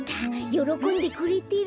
よろこんでくれてる。